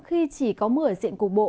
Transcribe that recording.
khi chỉ có mưa diện cục bộ